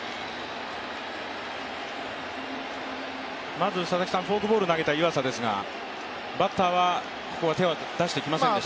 まずフォークボールを投げた湯浅ですが、バッターはここは手を出してきませんでした。